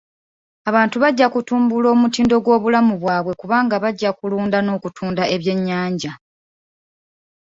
Abantu bajja kutumbula omutindo gw'obulamu bwabwe kubanga bajja kulunda n'okutunda ebyennyanja.